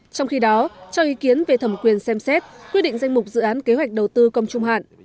trong khi đó cho ý kiến về thẩm quyền xem xét quyết định danh mục dự án kế hoạch đầu tư công trung hạn